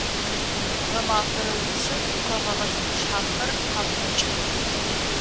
Гъэмафэрэ уцым къэгъэгъэ зэфэшъхьафхэр къапэкӏэх.